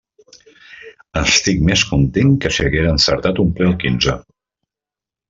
Estic més content que si haguera encertat un ple al quinze.